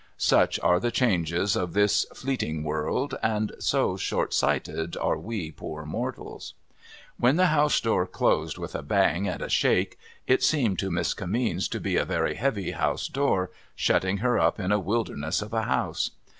Such are the changes of this fleeting world, and so short sighted are we poor mortals ! A\'hen the house door closed with a bang and a shake, it seemed to Miss Kimmeens to be a very heavy house door, shutting her up in a wilderness of a house.